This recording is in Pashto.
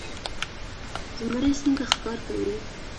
زمری څنګه ښکار کوي؟